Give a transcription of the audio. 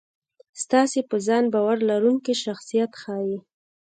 ستاسې په ځان باور لرونکی شخصیت ښي.